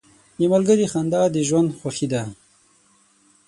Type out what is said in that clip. • د ملګري خندا د ژوند خوښي ده.